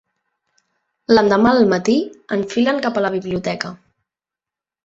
L'endemà al matí enfilen cap a la biblioteca.